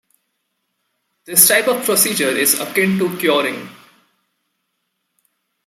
This type of procedure is akin to curing.